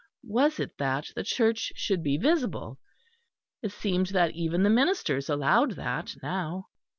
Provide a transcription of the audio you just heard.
Was it that the Church should be visible? It seemed that even the ministers allowed that, now.